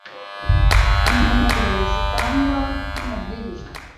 Impanuro zitangwa nUmubwiriza